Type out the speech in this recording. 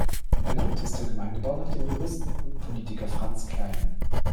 Benannt ist der Gemeindebau nach dem Juristen und Politiker Franz Klein.